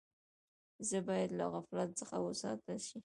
ژبه باید له غفلت څخه وساتل سي.